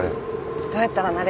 どうやったらなれるの？